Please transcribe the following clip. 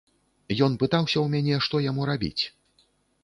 Ён пытаўся ў мяне, што яму рабіць.